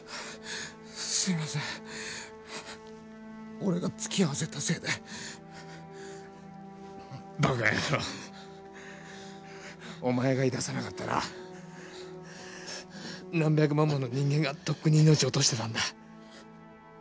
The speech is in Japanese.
すいません俺が付き合わせたせいでバカ野郎お前が言いださなかったら何百万もの人間がとっくに命を落としてたんだ